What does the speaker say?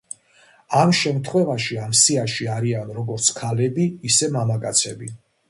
ამ შემთხვევაში ამ სიაში არიან როგორც ქალები, ისე მამაკაცები.